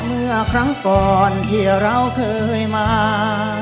เมื่อครั้งก่อนที่เราเคยมา